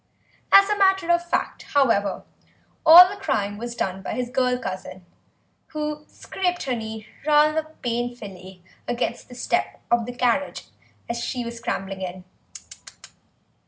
As a matter of fact, however, all the crying was done by his girl cousin, who scraped her knee rather painfully against the step of the carriage as she was scrambling in.